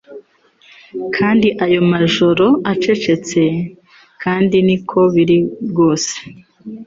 Kandi ayo majoro yose acecetse kandi niko biri rwose